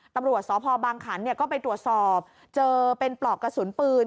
ตำรวจสพบางขันก็ไปตรวจสอบเจอเป็นปลอกกระสุนปืน